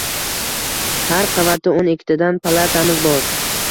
Har qavatida o‘n ikkitadan palatamiz bor.